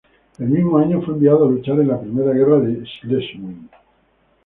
El mismo año, fue enviado a luchar en la Primera Guerra de Schleswig.